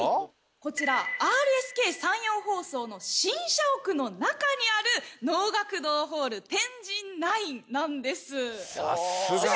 こちらＲＳＫ山陽放送の新社屋の中にある能楽堂ホールｔｅｎｊｉｎ９なんですさっすが！